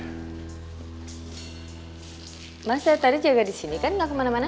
hai mas saya tadi jaga disini kan nggak kemana mana